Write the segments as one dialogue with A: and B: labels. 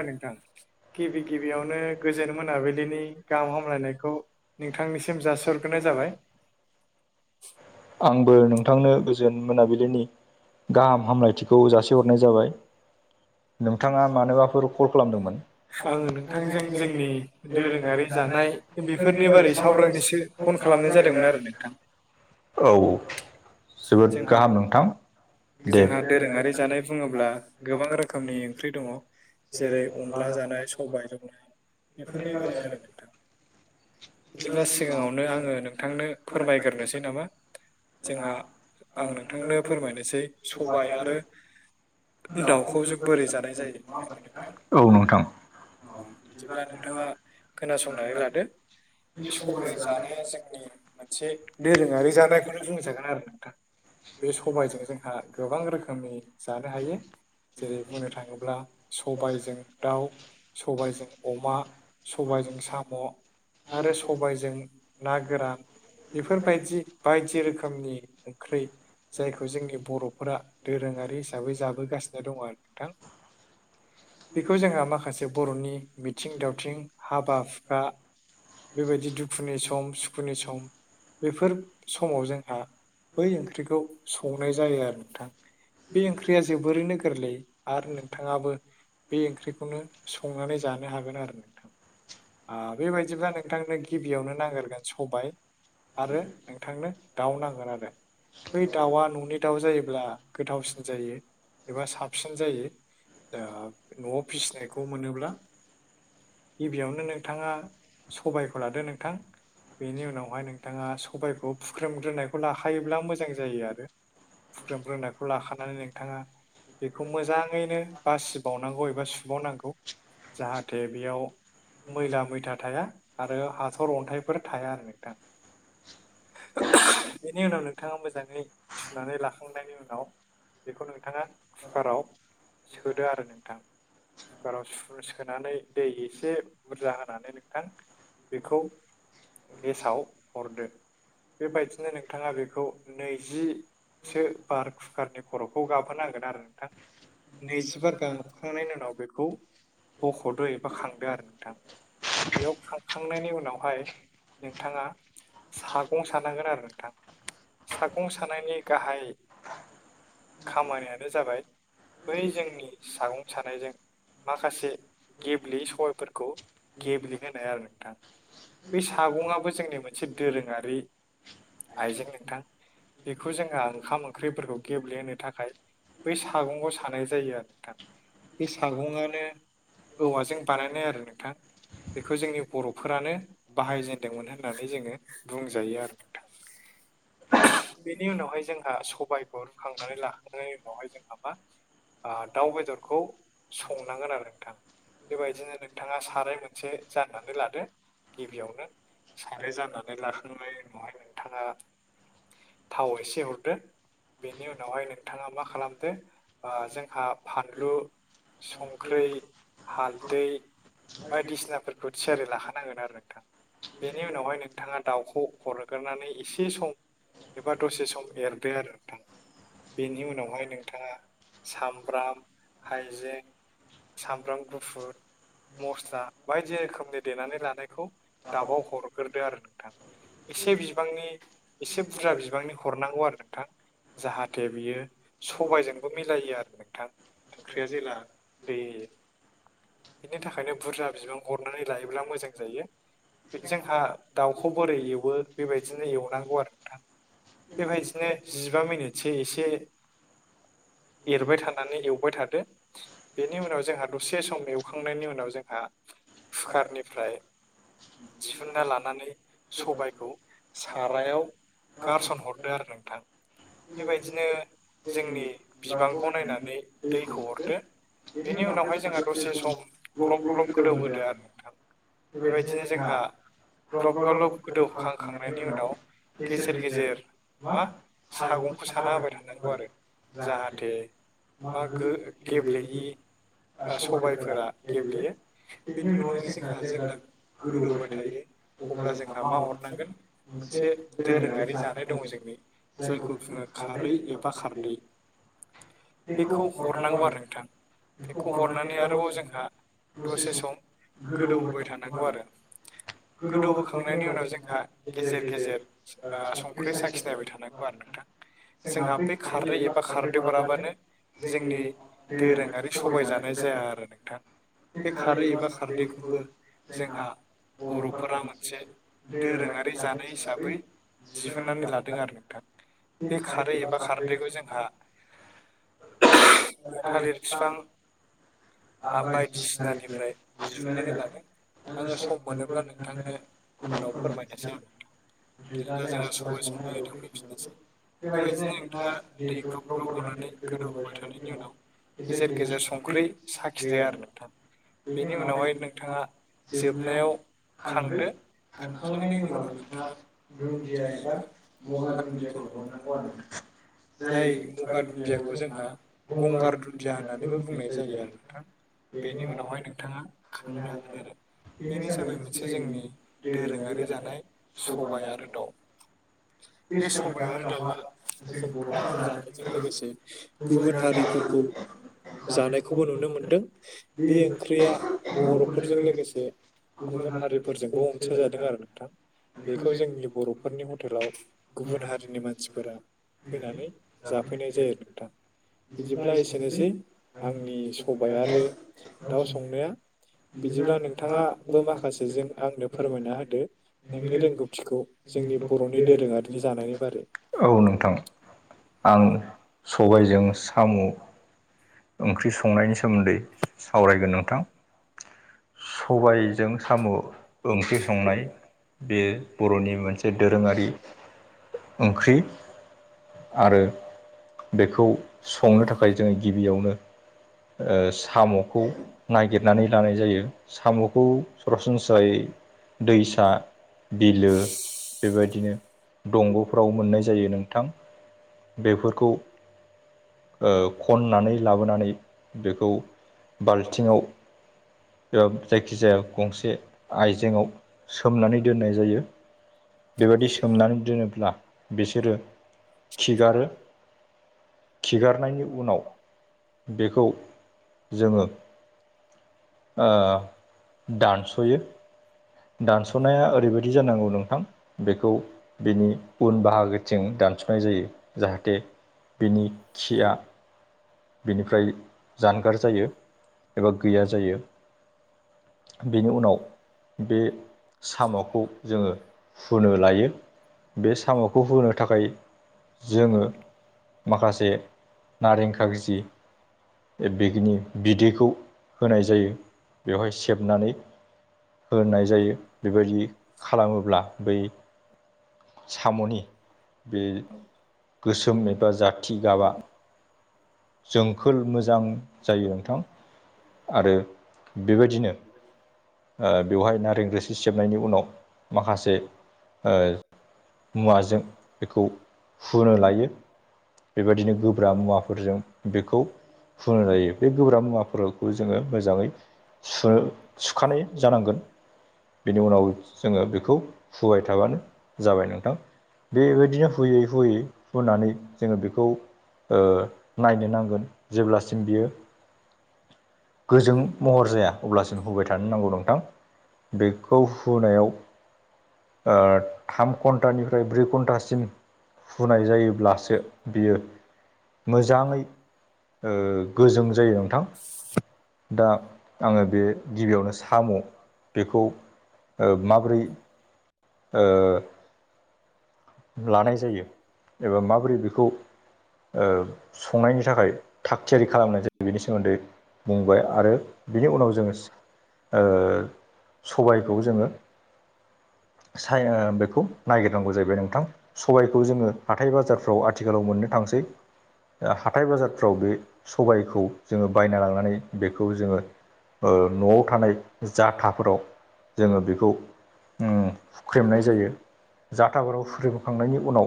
A: अ नोंथां गिबि गिबियावनो गोजोन मोनाबिलिनि गाहाम हामलायनायखौ नोंथांनिसिम जासि हरग्रोनाय जाबाय।
B: आंबो नोंथांनो गोजोन मोनाबिलिनि गाहाम हामलायथिखौ जासिहरनाय जाबाय। नोंथाङा मानबाफोर कल खालामदोंमोन?
A: आङो नोंथांजों जोंनि दोरोङारि जानाय बेफोरनि बारै सावरायनोसो फन खालामनाय जादोंमोन आरो नोंथां।
B: औ जोबोद
A: जोंहा
B: गाहाम नोंथां दे
A: जोंहा दोरोङारि जानाय बुङोब्ला गोबां रो खोमनि ओंख्रि दङ जेरै अनला जानाय सबाइजों बेफोरनि [unintelligible] नोंथां बिदिब्ला सिगाङावनो आङो नोंथांनो फोरमायग्रोनोसै नामा? जोंहा आं नोंथांनो फोरमायनोसै सबाइ आरो दाउखौ जों बोरै जानाय जायो नङा ओमबा नोंथां?
B: औ नोंथां
A: अ बिदिब्ला नोंथांङा खोनासंनानै लादो बे सबाइ जानाया जोंनि मोनसे दोरोंङारि जानायखौनो बुंजागोन आरो नोंथां बे सबाइजों जोंहा गोबां रोखोमनि जानो हायो जेरै बुंनो थाङोब्ला सबाइजों दाउ सबाइजों अमा सबाइजों साम' आरो सबाइजों ना गोरान बेफोरबायदि बायदि रोखोमनि ओंख्रै जायखौ जोंनि बर'फोरा दोरोङारि हिसाबै जाबोगासिनो दङ आरो। नोंथां बेखौ जोंहा माखासे बर'नि मिथिं दावथिं हाबा हुखा बेबायदि दुखुनि सम सुखुनि सम बेफोर समाव जोंहा बै ओंख्रिखौ संनाय जायो आरो नोंथां बे ओंख्रिया जोबोरैनो गोरलै। आरो नोंथाङाबो बे ओंख्रिखौनो संनानै जानो हागोन आरो नोंथां। ओ बेबायदिब्ला नोंथांनो गिबियावनो नांग्रोगोन सबाइ आरो नोंथांनो दाउ नांगोन आरो। बै दाउआ न'नि दाउ जायोब्ला गोथावसिन जायो एबा साबसि न जायो ओ न'वाव फिसिनायखौ मोनोब्ला। गिबियावनो नोंथाङा सबाइखौ लादो नोंथां। बेनि उनावहाय नोंथांङा सबायाइखौ फुख्रेमग्रोनायखौ लाखायोब्ला मोजां जायो आरो फुख्रोमग्रोननायखौ लाखानानै नोंथांङा बेखौ मोजांङैनो बासिबावनांगौ एबा सुबावनांगौ जाहाथे बेयाव मैला मैथा थाया आरो हाथर अन्थाइफोर थाया आरो नोंथां बेनि उनाव नोंथांङा मोजांङै सुनानै लाखांनायनि उनाव बेखौ नोंथांङा कुकाराव सोदो आरो नोंथां कुकाराव स सोनानै दै एसे बुरजा होनानै नोंथां बेखौ गेसाव हरदो बेबायदिनो नोंथांङा बेखौ नैजि सो बार कुकारनि खर'खौ गाबहोनांगोन आरो नोंथां नैजिबार गाहां हखांनायनि उनाव बेखौ बख'दो एबा खांदो आरो नोंथां बेयाव खांखांनायनि उनावहाय नोंथांङा सागं सानांगोन आरो नोंथां सागं सानायनि गाहाय खामानियानो जाबाय बै जोंनि सागं सानायजों माखासे गेब्लेयै सबाइफोरखौ गेलेहोनो आरो नोंथां बे सागङाबो जोंनि मोनसे दोरोंङारि आइजें नोंथां बेखौ जोहा ओंखाम ओंख्रिफोरखौ गेब्ले होनो थाखाय बै सागङाव सानाय जायो आरो नोंथां बे सागंङानो औवाजों बानायनाय आरो नोंथां बेखौ जोंनि बर'फोरानो बाहायजेेनदोंमोन होननानै जोंङो बुंजायो आरो नोंथां बेनि उनावहाय जोंहा सबाइखौ रुखांनानै लाखांनायनि उनावहाय जोंहा मा ओ दाउ बेदरखौ संनांगोन आरो नोंथां। बेबायदिनो नोंथांङा साराय मोनसे जाननानै लादो गिबियावनो साराय जानानै लाखांनायनि उनावहाय नोंथांङा थाव एसे हरदो बेनि उनावहाय नोंथांङा मा खालामदो ओ जोंहा फानलु संख्रि हालदै बायदि सिनाफोरखौ थियारि लाखानांगोन आरो नोंथां। बेनि उनावहाय नोंथांङा दाउखौ हरग्रोनानै एसे सम एबा दसे सम एरदो आरो नोंथां बेनि उनावहाय नोंथांङा सामब्राम हाइजें सामब्राम गुफुर मस्ला बायदि रोखोमनि देनानै लानायखौ दाबाव हरग्रोदो आरो नोंथां एसे बिबांनि एसे बुरजा बिबांनि हरनांगौ आरो नोंथां जाहाथे बियो सबाइजोंबो मिलायो आरो नोंथां ओंख्रिया जेला बै बिनि थाखायनो बुरजा बिबां बरनानै लायोब्ला मोजां जायो। जोंहा दाउखौ बोरै एवो बेबायदिनो एवनांगौ आरो नोंथां बेबायदिनो जिबा मिनिटसो एसे एरबाय थानानै एवबाय थादो बेनि उनाव जोंहा दसे सम एवखांनायनि उनाव जोंहा खुखारनिफ्राय दिहुनना लानानै सबाइखौ सारायाव गारसनहर दो आरो नोंथां बेबायदिनो जोंनि बिबांखौ नायनानै दैखौ हरदो बेनि उनावहाय जोंहा दसे सम ग्लब ग्लब गोदौ होदो आरो नोंथां। बेबायदिनो जोंहा ग्लब ग्लब गोदौखां खांनायनि उनाव गेजेर गेजेर मा सागंखौ साना होबाय थानांगौ आरो। जाहाथे मा गो गेब्लेयि ओ सबाइफोरा गेब्लेयो बेनि उनावहाय जोंहा जेब्ला गोदौबाय थायो। अब्ला जोंहा मा हरनांगोन मोनसे दोरोङारि जानाय दंङो जोंनि जायखौ बुङो खारै एबा खारदै बेखौ हरनांगौ आरो नोंथां बेखौ हरनानै आरोबाव जोंहा दसे सम गोदौ होबाय थानांगौ आरो गोदौबोखांनायनि उनाव जोंहा गेजेर गेजेर जोंना संख्रि साखि नायबाय थानांगौ आरो नोंथां
B: जोंहा बै
A: खारै एबा खारदै हराबानो जोंनि दोरोङारि सबाइ जानाय जाया आरो नोंथां बे खारै एबा खारदैखौबो जोंहा बर'फोरा मोनसे दोरोङारि जानाय हिसाबै दिहुननानै लादों आरो नोंथां
B: बे खारै एबा खारदै
A: बेखौ जोंहा थालिर बिफां आ बायदिसिनानिफ्राय दिहुननानै लादों आङो सम मोनोब्ला नोंथांनो उनाव फोरमायनोसै आं नोंथां [unintelligible] जोंहा सबाय संनाय होदों फैफिननोसै बेबायदिनो नोंथाङा दै ग्रोब ग्रोबनानै गोदौहोबाय थानायनि उनाव गेजेर गेजेर सम ओंख्रि साखिदो आरो नोंथां बेनि उनावहाय नोंथाङा
B: जोबनायाव खांदो खांखांनायनि उनाव नोंथाङा दुन्दिया एबा गंगार दुन्दियाखौ हरनांगौ आरो
A: दुन्दिया
B: जाय
A: एबा गंगार दुन्दियाखौ हरनो हागोन जाय गंगार
B: गंगारदुनदियाखौ
A: दुन्दियाखौ
B: जोंहा [unintelligible]
A: गंगार दुन्दिया
B: होननानैबो बुङो
A: बुंनाय जायो आरो नोंथां बेनि उनावहाय नोंथाङा खांनो हागोन आरो बेनो जाबाय मोनसे जोंनि दोरोङारि जानाय सबाय आरो दं बे सबाय आरो दावला जानायजों लोगोसे गुबुन हारिफोरखौ जानायखौबो नुनो मोनदों बे ओंख्रिया बर'फोरजों लोगोसे गुबुन हारिफोरजोंबो अनसायजादों आरो नोंथां बेखौ जों जोंनि बर'फोरनि हटेलाव गुबुन हारिनि मानसिफोरा फैनानै जाफैनाय जायो नोंथां बिदिब्ला एसेनोसै आंनि सबाइ आरो दाउ संनाया बिदिब्ला नोंथाङाबो माखासेजों आंनो फोरमायना होदो नोंनि रोंगौथिखौ जोंनि बर'नि दोरोङारिनि जानायनि बारै
B: औ नोंथां आं सबायजों साम' ओंख्रि संनायनि सोमोन्दै सावरायगोन नोंथां सबायजों साम' ओंख्रि संनाय बे बर'नि मोनसे दोरोङारि ओंख्रि आरो बेखौ संनो थाखाय जोङो गिबियावनो साम'खौ नागिरनानै लानाय जायो सामखौ सरासनस्रायै दैसा बिलो बेबायदिनो दंग'फ्राव मोननाय जायो नोंथां बेफोरखौ ओ खननानै लाबोनानै बेखौ बाल्थिङाव बेयाव जायखिजाया गंसे आइजेेङाव सोमनानै दोननाय जायो बेबायदि सोमनानै दोनोब्ला बिसोरो खिगारो खिगारनायनि उनाव बेखौ जोङो दानस'यो दानस'नाया ओरैबायदि जानांगौ नोंथां बेखौ बिनि उन बाहागोथिं दानस'नाय जायो जाहाथे बिनि खिया बिनिफ्राय जानगार जायो एबा गैया जायो बेनि उनाव बे साम'खौ जोङो हुनो लायो बे साम'खौ हुनो थाखाय जोङो माखासे नारें खागजि ओ बिखिनि बिदैखौ होनाय जायो बेवहाय सेबनानै होनाय जायो बेबायदि खालामोब्ला बै साम'नि बे गोसोम एबा जाथ थि गाबा जोंखोल मोजां जायो नोंथां। आरो बेबादिनो ओ बेवहाय नारें रोसि सेबनायनि उनाव माखासे ओ मुवाजों बेखौ हुनो लायो। बेबादिनो गोब्रा मुवाफोरजों बेखौ हुनाय जायो बे गोब्राब मुवाफोरखौ जोङो मोजाङै सुनो खानाय जानांगोन बिनि उनाव जोङो बेखौ हुबाय थाबानो जाबाय नोंथां। बेबायदिनो हुयै हुयै हुनानै जोङो बेखौ ओ नायनो नांगोन जेब्लासिम बियो गोजों महर जाया अब्लासिम हुबाय थानो नांगौ नोंथां बेखौ हुनायाव ओ थाम घन्टानिफ्राय ब्रै घन्टासिम हुनाय जायोब्लासो बियो मोजाङै ओ गोजों जायो नोंथां। दा आङो बे गिबियावनो साम' बेखौ ओ माब्रै ओ लानाय जायो एबा माबोरै बेखौ ओ संनायनि थाखाय थाग थियारि खालामनाय जायो बेनि सोमोन्दै बुंबाय आरो बिनि उनाव जोङो ओ सबायखौ जोङो साय ओ बेखौ नायगोरनांगौ जाहैबाय नोंथां। सबाइखौ जोङो हाथाय बाजारफ्राव आथिखालाव मोननो थांसै। ओ हाथाय बाजारफ्राव बे सबाइखौ जोङो बायना लांनानै बेखौ जोङो ओ न'वाव थानाय जाथाफोराव जोङो बेखौ ओ फुख्रेमनाय जायो जाथाफोराव फुख्रेमखांनायनि उनाव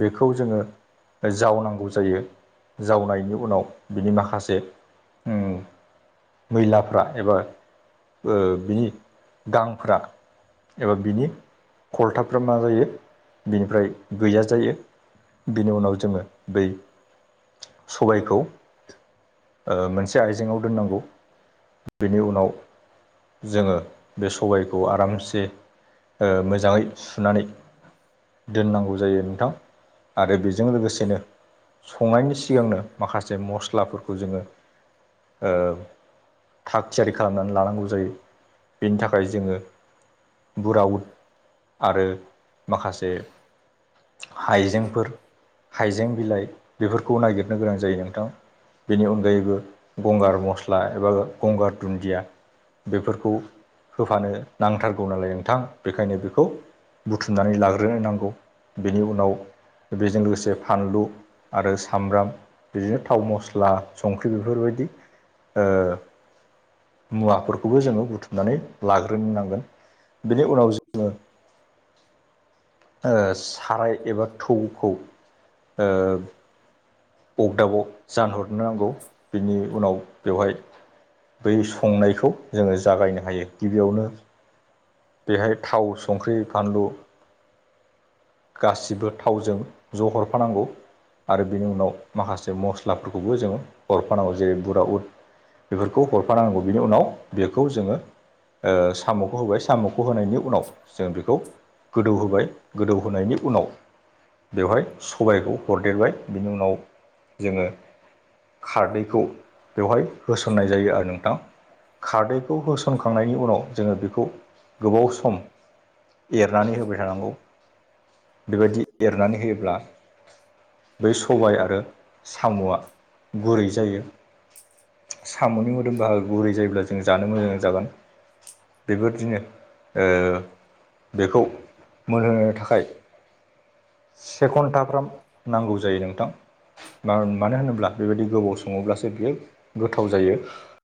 B: बेखौ जोङो ओ जावनांगौ जायो जावनायनि उनाव बिनि माखासे उम मैलाफ्रा एबा ओ बिनि गांफ्रा एबा बिनि खलथाफ्रा मा जायो बिनिफ्राय गैया जायो बिनि उनाव जोङो बै सबाइखौ ओ मोनसे आइजेङाव दोननांगौ बेनि उनाव जोङो बे सबाइखौ आरामसे ओ मोजाङै सुनानै दोननांगौ जायो नोंथां आरो बेजों लोगोसेनो संनायनि सिगांनो माखासे मस्लाफोरखौ जोङो ओ थाग-थियारि खालामनानै लानांगौ जायो बेनि थाखाय जोङो बुराउद आरो माखासे हाइजेंफोर हाइजें बिलाइ बेफोरखौ नायागिरनो गोनां जायो नोंथां। बेनि अनगायैबो गंगार मस्ला एबा गंगार दुन्दिया बेफोरखौ होफानो नांथारगौ नालाय नोंथां बेखायनो बेखौ सुमनानै लाग्रोनांगौ बेनि उनाव बेजों लोगोसे फानलु आरो सामब्राम बिदिनो थाव मस्ला संख्रि बेफोर बायदि ओ मुवाफोरखौबो जोङो बुथुमनानै लाग्रोनोनांगोन बेनि उनाव जों साराय एबा थौखौ अगदाबग जानहरनो नांगौ बिनि उनाव बेवहायो बै संनायखौ जोङो जागायनो हायो गिबियावनो बेहाय थाव संख्रि, फानलु गासिबो थावजों ज' हरफानांगौ आरो बेनि उनाव माखासे मस्लाफोरखौबो जोङो हरफानांगौ जेरै बुरा उद। बेफोरखौ हरफानानांगौ बिनि उनाव बेखौ जोङो साम'खौ होबाय साम'खौ होनायनि उनाव जों बेखौओ गोदौ होबाय गोदौहायनि उनाव बेवहाय सबायाइखौ हरदेरबाय बिनि उनावनो जोङो खारदैखौ बेवहाय होसननाय जायो आरो नोंथां। खारदैखौ होसनखांनायनि उनाव जोङो बेखौ गोबाव समा एरनानै होबाय थानांगौ। बेबायदि एरनानै होयोब्ला बै सबाय आरो ओ साम'आ गुरै जायो। साम'नि मोदोमा गुरै जायोब्ला जों जानो मोजां जागोन बेबादिनो बेखौ मोनहोनो थाखाय से घन्टाफ्राम नांगौ जायो नोंथां। मा मानो होनोब्ला बेबादि गोबाव सङोब्लासो बियो गोथाव जायो।